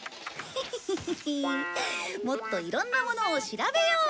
ヒヒヒッもっといろんなものを調べよう！